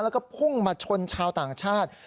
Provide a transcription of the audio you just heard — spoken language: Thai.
แล้วก็พุ่งมาชนชาวต่างชาติ